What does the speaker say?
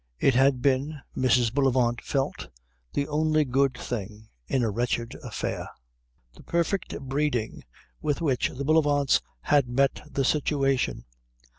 It had been, Mrs. Bullivant felt, the only good thing in a wretched affair, the perfect breeding with which the Bullivants had met the situation.